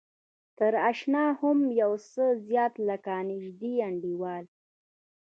تر اشنا هم يو څه زيات لکه نژدې انډيوال.